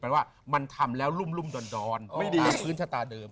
แปลว่ามันทำแล้วรุ่มรุ่มดอนตามพื้นชะตาเดิม